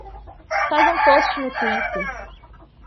Fez um post no Twitter